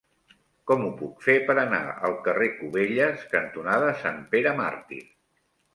Com ho puc fer per anar al carrer Cubelles cantonada Sant Pere Màrtir?